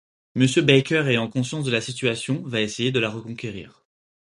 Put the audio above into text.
Monsieur Baker ayant conscience de la situation va essayer de la reconquérir.